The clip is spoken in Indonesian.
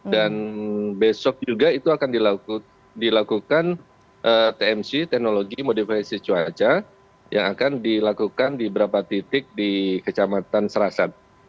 dan besok juga itu akan dilakukan tmc teknologi modifikasi cuaca yang akan dilakukan di beberapa titik di kecamatan serasan